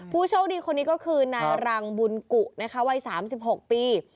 ผู้โชคดีคนนี้ก็คือนายรังบุญกุนะคะวัย๓๖ปี